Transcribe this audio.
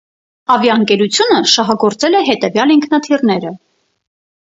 Ավիաընկերությունը շահագործել է հետևյալ ինքնաթիռները՝։